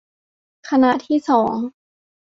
คณะที่สอง